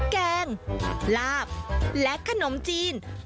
แกงลาบและขนมจีน